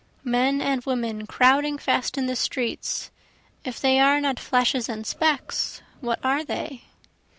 Men and women crowding fast in the streets, if they are not flashes and specks what are they?